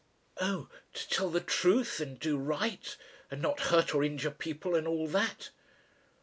"Oh! to tell the truth, and do right, and not hurt or injure people and all that."